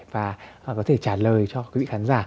và có thể trả lời cho quý vị khán giả